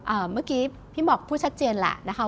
เมื่อกี้พี่บอกพูดชัดเจนแหละนะคะ